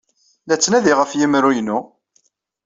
La ttnadiɣ ɣef yemru-inu.